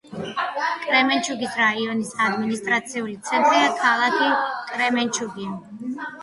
კრემენჩუგის რაიონის ადმინისტრაციული ცენტრია ქალაქი კრემენჩუგი.